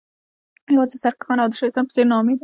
یوازې سرکښان او د شیطان په څیر ناامیده